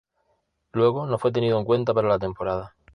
Luego no fue tenido en cuenta para la temporada.